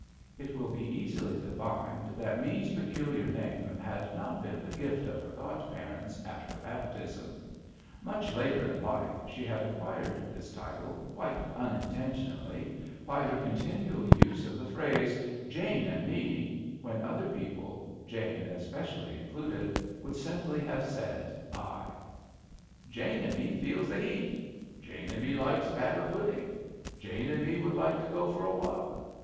It will be easily divined that Me's peculiar name had not been the gift of her godparents at her baptism. Much later in life she had acquired this title, quite unintentionally, by her continual use of the phrase :Jane and Me," when other people, Jane especially in cluded, would simply have said, *^ I." 79 HAMPSHIRE VIGNETTES "Jane and Me feels the heat" "Jane and Me likes batter pudding." "Jane and Me would like to go for a walk."